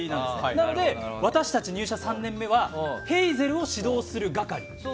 なので、私たち入社３年目はヘイゼルを指導する係。